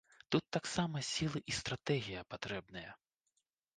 Тут таксама сілы і стратэгія патрэбныя.